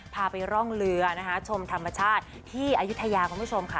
พาไปร่องเรือนะคะชมธรรมชาติที่อายุทยาคุณผู้ชมค่ะ